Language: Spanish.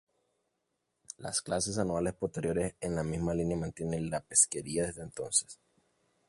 Las clases anuales posteriores en la misma línea mantienen la pesquería desde entonces.